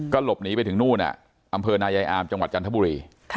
หลบหนีไปถึงนู่นอำเภอนายายอามจังหวัดจันทบุรี